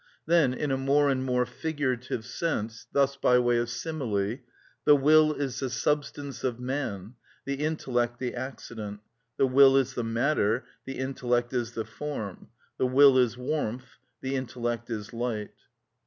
Then, in a more and more figurative sense, thus by way of simile: The will is the substance of man, the intellect the accident; the will is the matter, the intellect is the form; the will is warmth, the intellect is light.